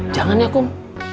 jangan ya kum